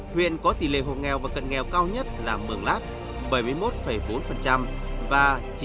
huyện có tỷ lệ hộ nghèo và cận nghèo cao nhất là mường lát bảy mươi một bốn và chín mươi